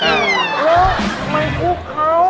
แล้วมันคุกเค้า